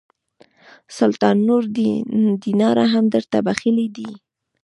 سلطان نور دیناره هم درته بخښلي دي.